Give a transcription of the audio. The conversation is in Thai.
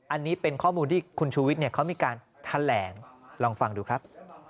อันนี้เป็นข้อมูลที่คุณชูวิทย์เขามีการแถลงลองฟังดูครับ